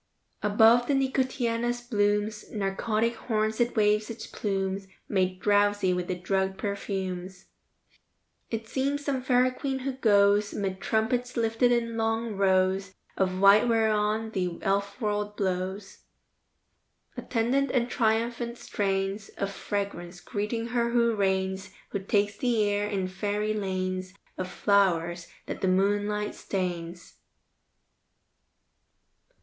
Above the nicotiana's blooms' Narcotic horns it waves its plumes, Made drowsy with the drugged perfumes. It seems some Fairy Queen who goes 'Mid trumpets lifted in long rows Of white whereon the Elfworld blows. Attendant and triumphant strains Of fragrance, greeting her who reigns, Who takes the air in fairy lanes Of flowers, that the moonlight stains.